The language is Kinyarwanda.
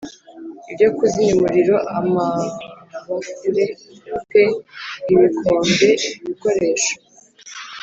Ibyo Kuzimya Umuriro Amabakure P Ibikombe Ibikoresho